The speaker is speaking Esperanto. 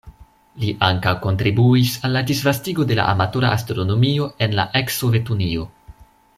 Li ankaŭ kontribuis al la disvastigo de la amatora astronomio en la eks-Sovetunio.